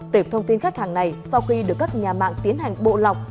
tệp thông tin khách hàng này sau khi được các nhà mạng tiến hành bộ lọc